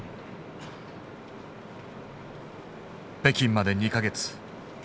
北京まで２か月。